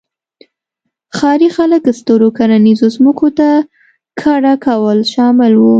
ښاري خلک سترو کرنیزو ځمکو ته کډه کول شامل وو